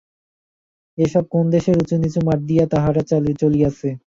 এসব কোন দেশের উঁচু নিচু মাঠ দিয়া তাহারা চলিয়াছে?